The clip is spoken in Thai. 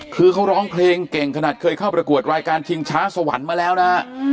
คือเขาร้องเพลงเก่งขนาดเคยเข้าประกวดรายการชิงช้าสวรรค์มาแล้วนะฮะ